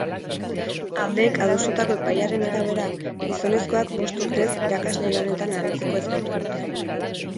Aldeek adostutako epaiaren arabera, gizonezkoak bost urtez irakasle lanetan aritzeko ezgaitu dute.